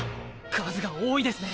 数が多いですね。